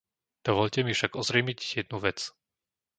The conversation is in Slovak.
Dovoľte mi však ozrejmiť jednu vec.